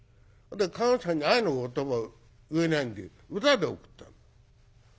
看護師さんに愛の言葉を言えないんで歌で贈った。